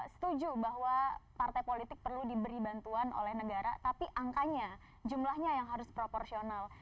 setuju bahwa partai politik perlu diberi bantuan oleh negara tapi angkanya jumlahnya yang harus proporsional